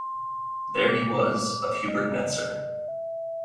There he was of Hubert Netzer.